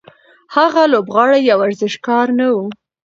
هغه لوبغاړی یا ورزشکار نه و.